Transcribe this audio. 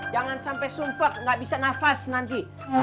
jangan sampai sumpah nggak bisa nafas nanti